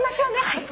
はい。